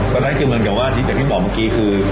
คือที่เหมือนกันกับที่พี่บอกเมื่อกี้คือ